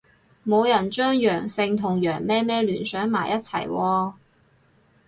冇人將陽性同羊咩咩聯想埋一齊喎